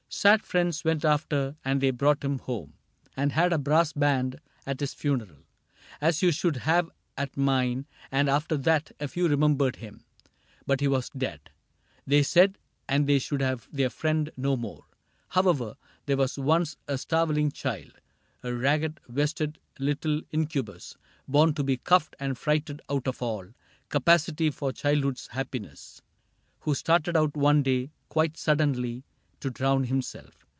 Sad friends went after, and they brought him home And had a brass band at his funeral. As you should have at mine ; and after that A few remembered him. But he was dead. They said, and they should have their friend no more. — However, there was once a starveling child —. A ragged vested little incubus. Born to be cuiFed and frighted out of all Capacity for childhood's happiness — Who started out one day, quite suddenly. To drown himself.